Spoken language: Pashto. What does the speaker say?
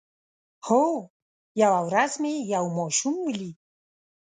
هو، یوه ورځ مې یو ماشوم ولید